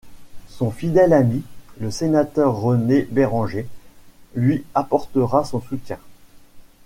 Son fidèle ami, le sénateur René Bérenger, lui apportera son soutien.